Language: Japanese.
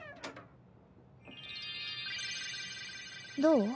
どう？